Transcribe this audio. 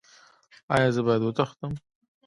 ایا زه باید وتښتم؟